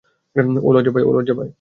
ও লজ্জা পায়।